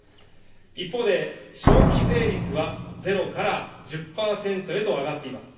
一方で、消費税率はゼロから１０％へと上がっています。